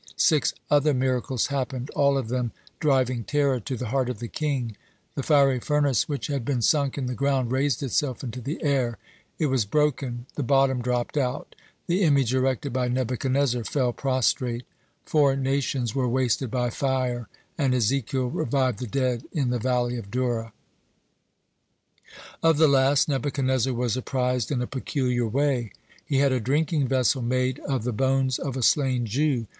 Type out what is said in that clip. (89) Six other miracles happened, all of them driving terror to the heart of the king: the fiery furnace which had been sunk in the ground raised itself into the air; it was broken; the bottom dropped out; the image erected by Nebuchadnezzar fell prostrate; four nations were wasted by fire; and Ezekiel revived the dead in the valley of Dura. Of the last, Nebuchadnezzar was apprised in a peculiar way. He had a drinking vessel made of the bones of a slain Jew.